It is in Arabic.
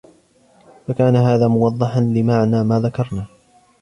فَكَانَ هَذَا مُوَضِّحًا لِمَعْنَى مَا ذَكَرْنَا